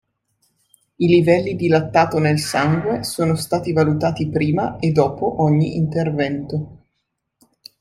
I livelli di lattato nel sangue sono stati valutati prima e dopo ogni intervento.